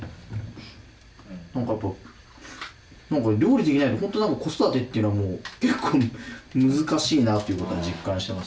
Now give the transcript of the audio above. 何か料理できないと本当子育てっていうのはもう結構難しいなっていうことを実感してますね。